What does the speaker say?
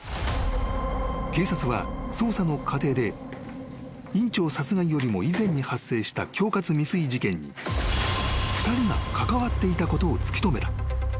［警察は捜査の過程で院長殺害よりも以前に発生した恐喝未遂事件に２人が関わっていたことを突き止めた］